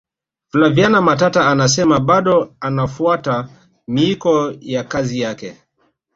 flaviana matata anasema bado anafuata miiko ya kazi yake